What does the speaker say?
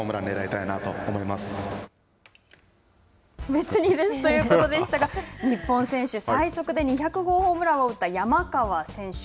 別にですということでしたが日本選手最速で２００号ホームランを打った山川選手。